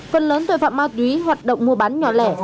phần lớn tội phạm ma túy hoạt động mua bán nhỏ lẻ